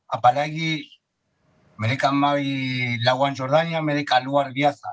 apalagi mereka melalui lawan jurnanya mereka luar biasa